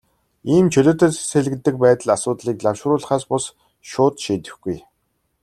Ийм чөлөөтэй сэлгэдэг байдал асуудлыг лавшруулахаас бус, шууд шийдэхгүй.